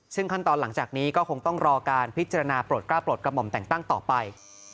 ซึ่งขั้นตอนหลังจากนี้ก็คงต้องรอการพิจารณาโปรดกล้าโปรดกระหม่อมแต่งตั้งต่อไป